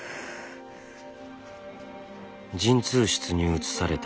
陣痛室に移された